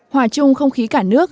hòa chung không khí cả nước